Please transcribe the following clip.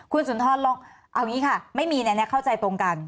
คุณสุนทรเอาอย่างงี้ค่ะไม่มีเนี่ยเข้าใจตรงกัน